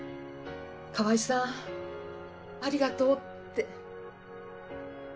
「川合さんありがとう」って。